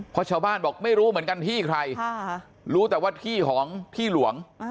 เพราะชาวบ้านบอกไม่รู้เหมือนกันที่ใครรู้แต่ว่าที่ของที่หลวง